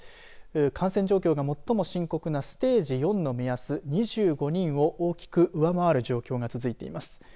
感染状況が最も深刻なステージ４の目安２５人を大きく上回る状況が続いています。